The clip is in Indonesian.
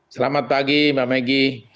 selamat pagi mbak maggie